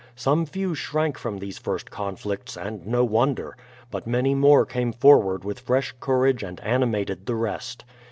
Some few shrank from these first conflicts, and no wonder ; but many more came forward with fresh courage and animated the rest.